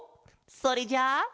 それじゃあ。